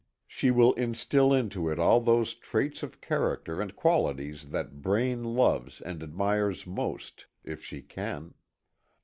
She will instil into it all those traits of character and qualities that Braine loves and admires most, if she can.